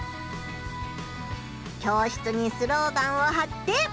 教室にスローガンをはって。